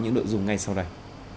những nội dung ngay sau đây